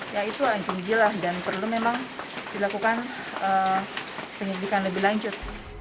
ya itu anjing gila dan perlu memang dilakukan penyelidikan lebih lanjut